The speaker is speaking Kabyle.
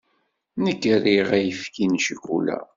Nekk riɣ ayefki n ccukula